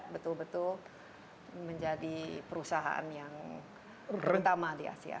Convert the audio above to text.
betul betul menjadi perusahaan yang terutama di asia